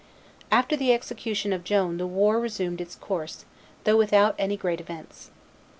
After the execution of Joan the war resumed its course, though without any great events.